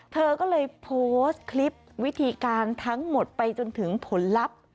เธอก็เลยโพสต์คลิปวิธีการทั้งหมดไปจนถึงผลลัพธ์